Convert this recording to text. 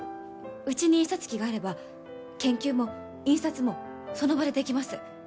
うちに印刷機があれば研究も印刷もその場でできます。